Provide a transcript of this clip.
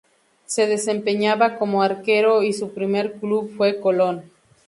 Se desempeñaba como arquero y su primer club fue Colón.